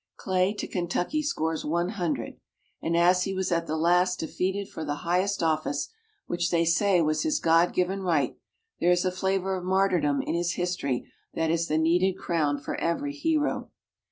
Clay to Kentucky scores one hundred. And as he was at the last defeated for the highest office, which they say was his God given right, there is a flavor of martyrdom in his history that is the needed crown for every hero.